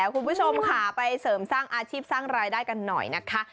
คุณผู้ชมค่ะไปเสริมสร้างอาชีพสร้างรายได้กันหน่อยนะคะ